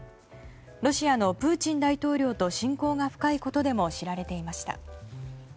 ロシアのプーチン大統領と親交が深いことでも知られていました。